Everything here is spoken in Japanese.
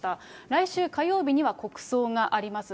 来週火曜日には国葬があります。